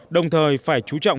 đồng thời phải chú trọng